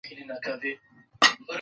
لوستې میندې د ماشوم پر خوندیتوب ژمنه ده.